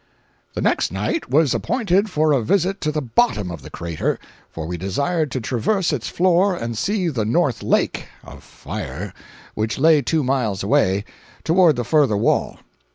The next night was appointed for a visit to the bottom of the crater, for we desired to traverse its floor and see the "North Lake" (of fire) which lay two miles away, toward the further wall.